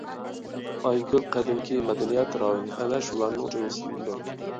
ئايكۆل قەدىمكى مەدەنىيەت رايونى ئەنە شۇلارنىڭ جۈملىسىدىندۇر.